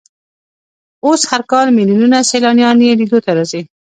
اوس هر کال ملیونونه سیلانیان یې لیدو ته راځي.